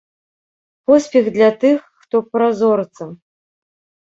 Поспех для тых, хто празорца!